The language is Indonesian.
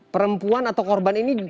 perempuan atau korban ini